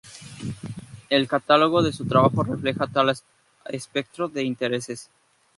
El catálogo de su trabajo refleja tal espectro de intereses.